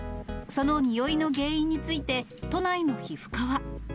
その臭いの原因について、都内の皮膚科は。